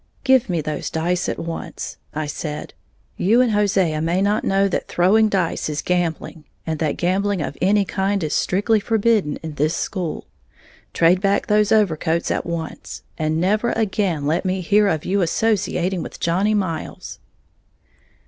"Give me those dice at once," I said, "You and Hosea may not know that throwing dice is gambling, and that gambling of any kind is strictly forbidden in this school. Trade back those overcoats at once. And never again let me hear of your associating with Johnny Miles!"